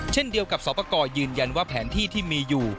เช่นเดียวกับสอบประกอบยืนยันว่าแผนที่ที่มีอยู่